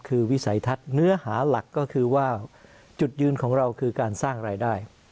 คือวิสัยทัศน์เนื้อหาหลักก็คือว่าจุดยืนของเราคือการสร้างรายได้